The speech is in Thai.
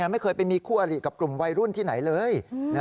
ไม่เคยไปมีคู่อริกับกลุ่มวัยรุ่นที่ไหนเลย